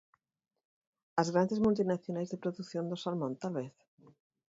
¿As grandes multinacionais de produción do salmón, talvez?